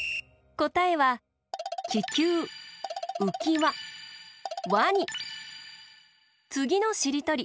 こたえはつぎのしりとり。